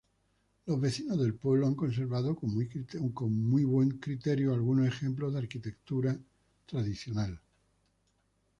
Los vecinos del pueblo han conservado con muy criterio algunos ejemplos de arquitectura tradicional.